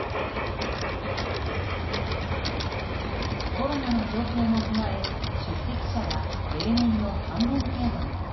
コロナの状況も踏まえ招待客は例年の半分程度に。